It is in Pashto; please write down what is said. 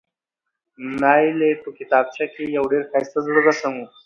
نایلې په کتابچه کې یو ډېر ښایسته زړه رسم و،